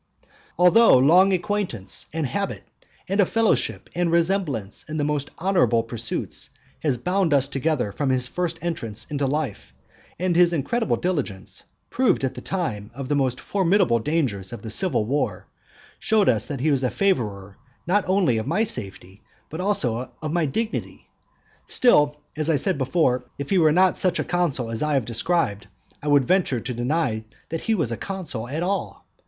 Although long acquaintance, and habit, and a fellowship and resemblance in the most honourable pursuits, has bound us together from his first entrance into life; and his incredible diligence, proved at the time of the most formidable dangers of the civil war, showed that he was a favourer not only of my safety, but also of my dignity; still, as I said before, if he were not such a consul as I have described, I should venture to deny that he was a consul at all.